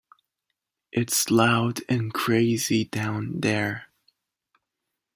It's loud and crazy down there.